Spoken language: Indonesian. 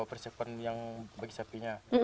persiapan yang bagi sapinya